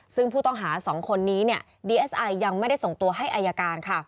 ซึ่งผู้ต้องหา๒คนนี้ดีเอสไอยังไม่ได้ส่งตัวให้อายการ